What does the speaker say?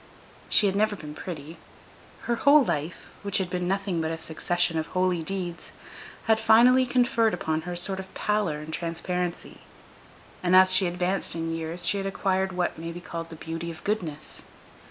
She had never been pretty; her whole life, which had been nothing but a succession of holy deeds, had finally conferred upon her a sort of pallor and transparency; and as she advanced in years she had acquired what may be called the beauty of goodness.